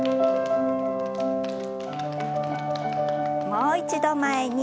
もう一度前に。